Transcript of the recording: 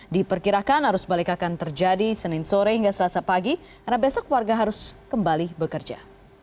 diperkirakan arus balik akan terjadi senin sore hingga selasa pagi karena besok warga harus kembali bekerja